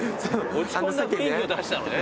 落ち込んだ雰囲気を出したのね。